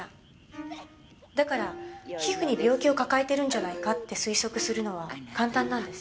だから皮膚に病気を抱えてるんじゃないかって推測するのは簡単なんです。